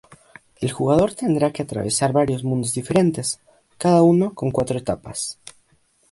El jugador tendrá que atravesar varios mundos diferentes, cada uno con cuatro etapas.